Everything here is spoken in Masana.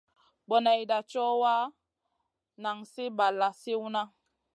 Boneyda co wa, nan sli balla sliwna.